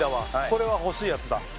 これは欲しいやつだ。